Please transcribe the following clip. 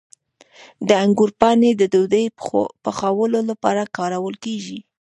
د انګورو پاڼې د ډوډۍ پخولو لپاره کارول کیږي.